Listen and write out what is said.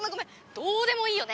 どうでもいいよね！